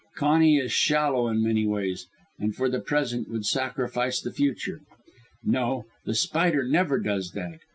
Conny is shallow in many ways, and for the present would sacrifice the future. No, The Spider never does that.